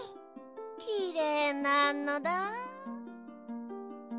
きれいなのだ。